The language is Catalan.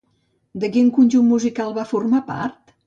De quin conjunt musical va formar part?